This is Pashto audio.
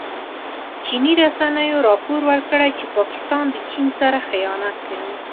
چیني رسنیو راپور ورکړی چې پاکستان د چین سره خيانت کوي.